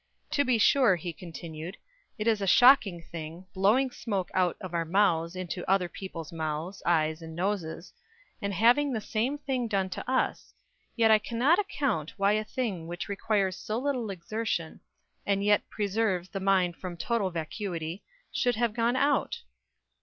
"To be sure," he continued, "it is a shocking thing, blowing smoke out of our mouths into other people's mouths, eyes and noses, and having the same thing done to us; yet I cannot account why a thing which requires so little exertion, and yet preserves the mind from total vacuity, should have gone out."